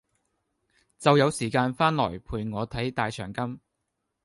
就有時間翻來陪我睇大長今